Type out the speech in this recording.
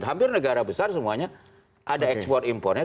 hampir negara besar semuanya ada ekspor impornya